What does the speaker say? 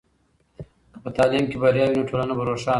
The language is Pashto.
که په تعلیم کې بریا وي، نو ټولنه به روښانه وي.